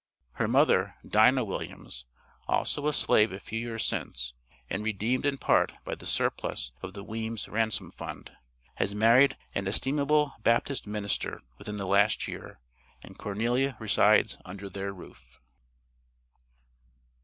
Her mother, Dinah Williams (also a slave a few years since, and redeemed in part by the surplus of 'the Weims Ransom Fund'), has married an estimable Baptist minister within the last year, and Cornelia resides under their roof.